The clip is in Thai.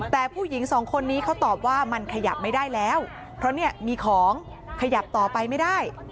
แต่ผู้หญิงสองคนนี้เขาตอบว่ามันขยับไม่ได้แล้วเพราะเนี่ยมีของขยับต่อไปไม่ได้